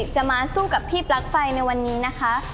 จะมาสู้กับพี่ปลั๊กไฟในวันนี้นะคะ